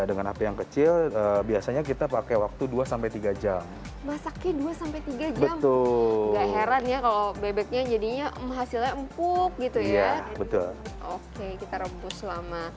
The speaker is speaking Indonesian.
dengan api yang kecil biasanya kita pakai waktu dua tiga jam masaknya dua sampai tiga jam gak heran ya kalau bebeknya jadinya hasilnya empuk gitu ya betul oke kita rebus selama